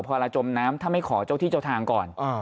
พอเราจมน้ำถ้าไม่ขอเจ้าที่เจ้าทางก่อน